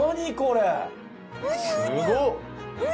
・すごっ。